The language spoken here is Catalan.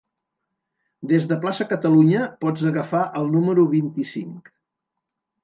Des de Plaça Catalunya pots agafar el número vint-i-cinc.